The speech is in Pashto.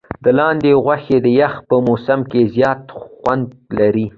د لاندي غوښي د یخ په موسم کي زیات خوند لري.